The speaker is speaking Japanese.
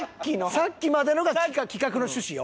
さっきまでのが企画の趣旨よ。